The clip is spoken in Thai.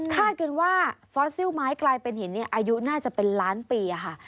กันว่าฟอสซิลไม้กลายเป็นหินอายุน่าจะเป็นล้านปีค่ะ